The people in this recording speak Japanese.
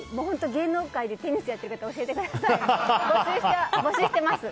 芸能界でテニスやってる方教えてください。